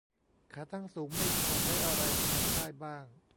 ขาตั้งสูงไม่พอ ใช้อะไรแทนได้บ้าง